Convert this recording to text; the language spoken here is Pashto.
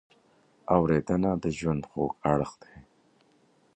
اورېدنه د ژوند خوږ اړخ دی.